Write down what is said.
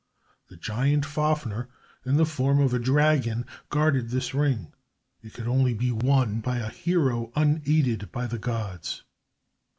The giant Fafner, in the form of a dragon, guarded this ring. It could only be won by a hero unaided by the gods.